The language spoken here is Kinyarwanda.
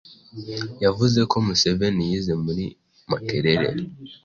yavuze ko Museveni yize muri Makerere.